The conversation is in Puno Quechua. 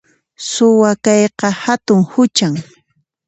Suwa kayqa hatun huchan